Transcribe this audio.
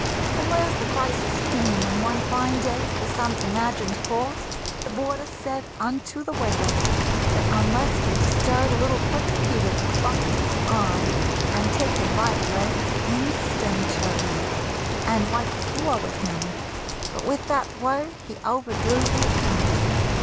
At last the crisis came, when one fine day, For some imagined fault, the boarder said Unto the waiter, that unless he stirred A little quicker he would bung his eye, And take him by the legs instanter ly And wipe the floor with him. But with that word He overdrew the account.